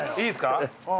いいっすか。